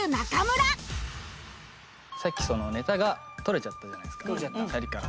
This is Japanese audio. さっきネタが取れちゃったじゃないですかシャリから。